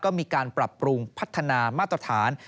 ก็มีการปรับปรุงพัฒนามาตรฐาน